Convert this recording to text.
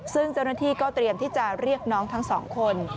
ซึ่งเจ้าหน้าที่ก็เตรียมที่จะเรียกน้องทั้งสองคน